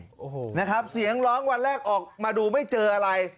โอ้โหนะครับเสียงร้องวันแรกออกมาดูไม่เจออะไร